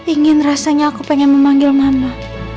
ingin rasanya aku pengen memanggil mama